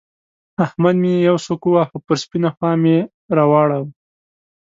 احمد مې يوه سوک وواهه؛ پر سپينه خوا مې را واړاوو.